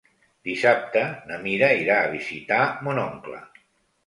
Dissabte na Mira irà a visitar mon oncle.